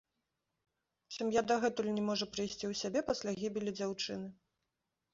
Сям'я дагэтуль не можа прыйсці ў сябе пасля гібелі дзяўчыны.